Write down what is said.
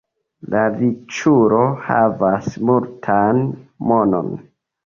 La riĉulo havas multan monon.